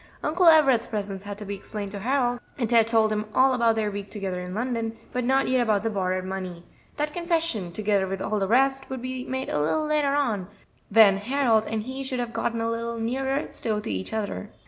Uncle Everett's presence had to be explained to Harold, and Ted told him all about their week together in London, but not yet about the borrowed money. That confession, together with all the rest, would be made a little later on, when Harold and he should have gotten a little nearer still to each other.